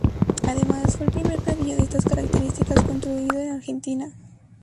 Además, fue el primer navío de estas características construido en Argentina.